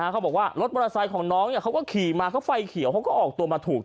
เขาบอกว่ารถมอเตอร์ไซค์ของน้องเขาก็ขี่มา